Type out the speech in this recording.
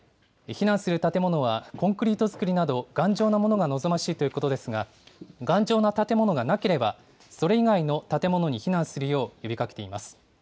避難する建物はコンクリート造りなど頑丈なものが望ましいということですが、頑丈な建物がなければ、それ以外の建物に避難するよう呼びかけています。